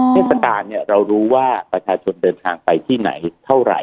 เทศกาลเรารู้ว่าประชาชนเดินทางไปที่ไหนเท่าไหร่